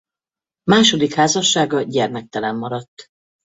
Második házassága gyermektelen maradt.